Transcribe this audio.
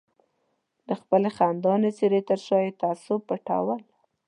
د خپلې خندانې څېرې تر شا یې تعصب پټول.